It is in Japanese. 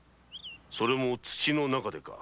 それも土の中でか？